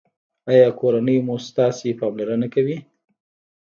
ایا کورنۍ مو ستاسو پاملرنه کوي؟